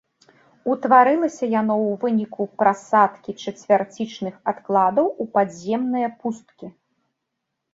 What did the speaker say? Утварылася яно ў выніку прасадкі чацвярцічных адкладаў у падземныя пусткі.